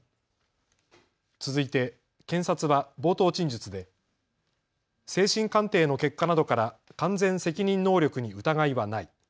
続いて検察は冒頭陳述で精神鑑定の結果などから完全責任能力に疑いはない。